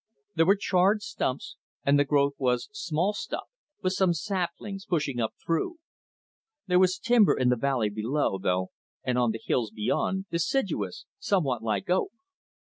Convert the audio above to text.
There were charred stumps, and the growth was small stuff, with some saplings pushing up through. There was timber in the valley below, though, and on the hills beyond, deciduous, somewhat like oak.